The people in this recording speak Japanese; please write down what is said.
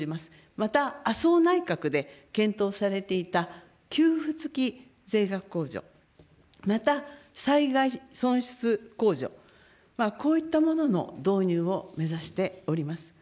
また麻生内閣で検討されていた給付付き税額控除、また災害損失控除、こういったものの導入を目指しております。